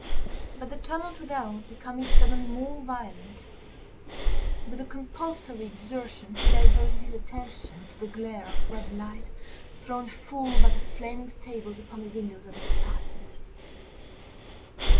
But the tumult without becoming suddenly more violent, with a compulsory exertion he diverted his attention to the glare of ruddy light thrown full by the flaming stables upon the windows of the apartment.